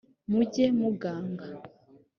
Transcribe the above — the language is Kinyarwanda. mujye muganga